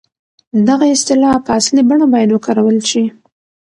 دغه اصطلاح په اصلي بڼه بايد وکارول شي.